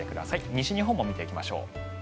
西日本も見ていきましょう。